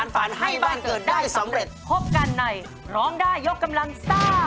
พบกันในร้องได้ยกกำลังสตาร์